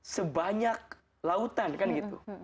sebanyak lautan kan gitu